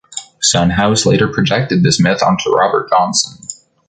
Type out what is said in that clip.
Son House later projected this myth onto Robert Johnson.